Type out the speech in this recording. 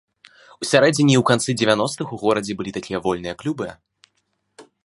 У сярэдзіне і ў канцы дзевяностых у горадзе былі такія вольныя клубы.